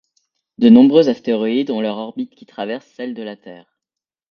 De nombreux astéroïdes ont leur orbite qui traversent celle de la Terre.